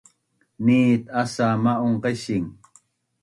nit asa ma’un qaising